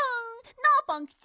なあパンキチ。